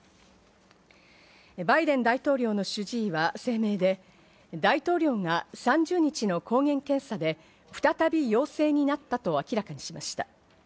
バイデン大統領の主治医は声明で、大統領が３０日の抗原検査で再び陽性になったと明らかにしました。